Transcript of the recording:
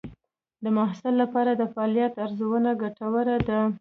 د محصل لپاره د فعالیت ارزونه ګټوره ده.